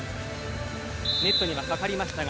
ネットにはかかりましたが。